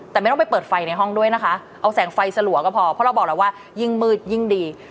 แต่ไม่ต้องไปเปิดไฟในห้องด้วยนะคะเอาแสงไฟสลัวก็พอเพราะเราบอกแล้วว่ายิ่งมืดยิ่งดี